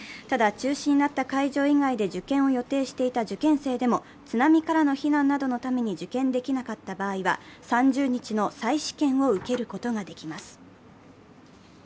ただ、中止になった会場以外で受験を予定していた受験生以外でも、津波からの避難などのために受験できなかった場合は３０日の再試験を受けることができます。